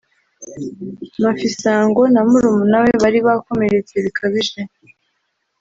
Mafisango na murumuna we bari bakomeretse bikabije